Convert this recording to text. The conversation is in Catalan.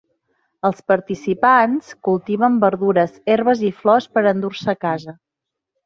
Els participants cultiven verdures, herbes i flors per endur-se a casa.